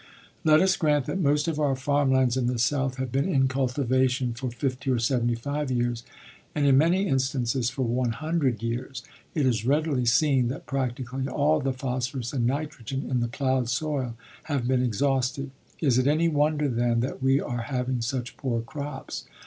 Let us grant that most of our farm lands in the South have been in cultivation for fifty or seventy five years, and in many instances for one hundred years, it is readily seen that practically all of the phosphorus and nitrogen in the plowed soil have been exhausted. Is it any wonder then that we are having such poor crops?